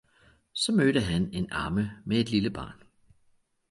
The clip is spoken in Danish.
Så mødte han en amme med et lille barn.